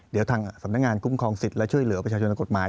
เดี๋ยวทางสำนักงานคุ้มครองสิทธิ์และช่วยเหลือประชาชนทางกฎหมาย